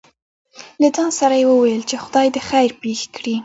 له ځان سره يې وويل :چې خداى دې خېر پېښ کړي.